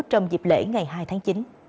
trong dịp lễ ngày hai tháng chín